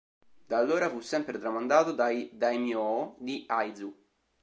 Da allora fu sempre tramandato dai "daimyō" di Aizu.